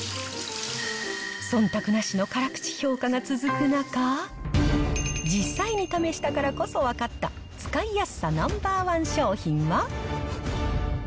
そんたくなしの辛口評価が続く中、実際に試したからこそ分かった使いやすさナンバー１商品は。